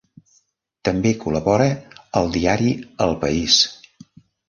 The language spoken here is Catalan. També col·labora al diari El País.